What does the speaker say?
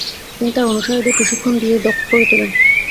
তিনি তার অনুসারীদের প্রশিক্ষণ দিয়ে দক্ষ করে তোলেন।